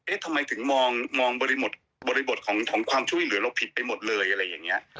ทำไมถึงมองบริบทของความช่วยเหลือเราผิดไปหมดเลยอะไรอย่างนี้